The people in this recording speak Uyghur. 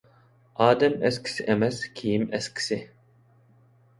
ئادەم ئەسكىسى ئەمەس، كىيىم ئەسكىسى.